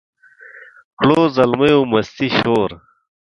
کړو زلمیو مستي شور